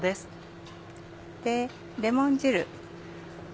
レモン汁。